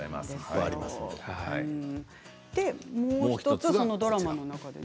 もう１つ、ドラマの中で。